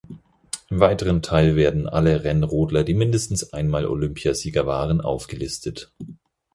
Im weiteren Teil werden alle Rennrodler, die mindestens einmal Olympiasieger waren, aufgelistet.